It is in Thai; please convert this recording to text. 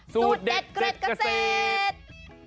สูตรเด็ดเกร็ดเกษตร